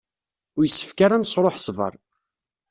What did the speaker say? Ur yessefk ad nesṛuḥ ṣṣber.